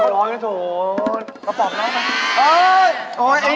คำถามรู้ไหม